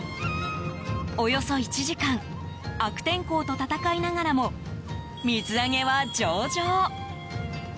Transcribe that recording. およそ１時間悪天候と闘いながらも水揚げは上々！